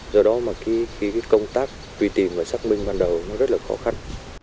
do đó mà công tác tùy tìm và xác minh ban đầu rất là khó khăn